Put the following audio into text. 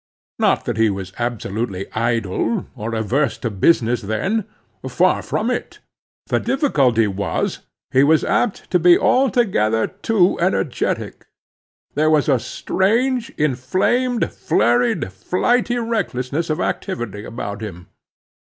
Not that he was absolutely idle, or averse to business then; far from it. The difficulty was, he was apt to be altogether too energetic. There was a strange, inflamed, flurried, flighty recklessness of activity about him.